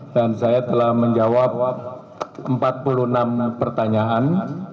dan saya telah menjawab empat puluh enam pertanyaan